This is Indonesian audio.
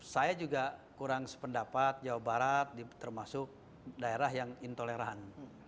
saya juga kurang sependapat jawa barat termasuk daerah yang intoleran